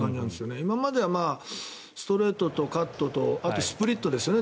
今まではストレートとカットとあとスプリットですよね。